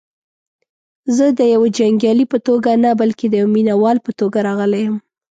زه دیوه جنګیالي په توګه نه بلکې دیوه مینه وال په توګه راغلی یم.